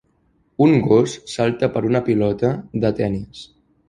Un gos salta per una pilota de tenis.